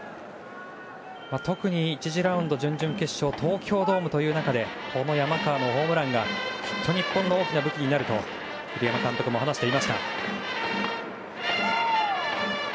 特に１次ラウンド準々決勝の東京ドームではこの山川のホームランがきっと日本の大きな武器になると栗山監督も話していました。